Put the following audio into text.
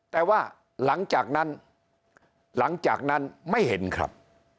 แต่ว่าหลังจากนั้นหลังจากนั้นไม่เห็นครับ